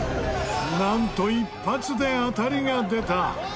なんと一発で当たりが出た！